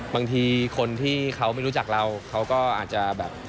บางทีคนที่เขาไม่รู้จักเราเขาก็อาจจะแบบ